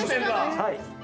はい。